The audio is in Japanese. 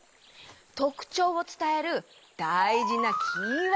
とくちょうをつたえるだいじなキーワードがあるよ。